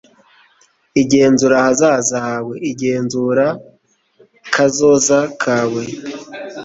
igenzura ahazaza hawe! igenzure kazoza kawe